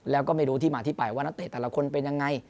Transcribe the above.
แล้วก็ไม่รู้ที่มาที่ไปว่านักเตะแต่ละคนเป็นยังไง